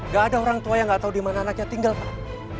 gak ada orang tua yang nggak tahu di mana anaknya tinggal pak